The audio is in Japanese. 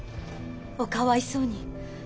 おかわいそうに。